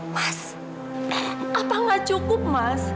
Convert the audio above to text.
mas apa nggak cukup mas